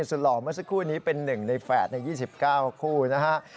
หล่อเมื่อสักครู่นี้เป็น๑ในแฝดใน๒๙คู่นะฮะ